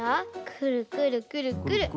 くるくるくるくる。